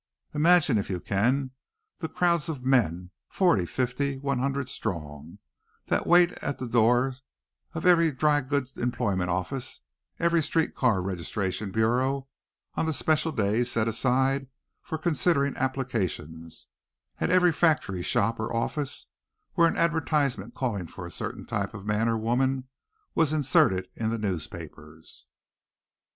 Imagine if you can the crowds of men, forty, fifty, one hundred strong, that wait at the door of every drygoods employment office, every street car registration bureau, on the special days set aside for considering applications, at every factory, shop or office where an advertisement calling for a certain type of man or woman was inserted in the newspapers.